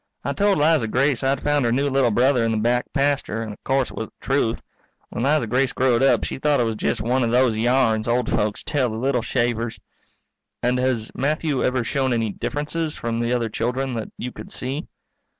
I told Liza Grace I'd found her new little brother in the back pasture, and o'course it was the truth. When Liza Grace growed up she thought it was jest one of those yarns old folks tell the little shavers. _And has Matthew ever shown any differences from the other children that you could see?